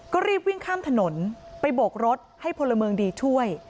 ก็รีบวิ่งข้ามถนนไปโบกรถให้พลเมืองดีช่วย